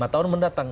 lima tahun mendatang